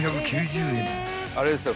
あれですよ。